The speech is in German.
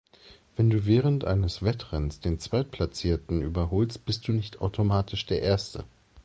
Wenn du während eines Wettrennens den Zweitplatzierten überholst, bist du nicht automatisch der Erste.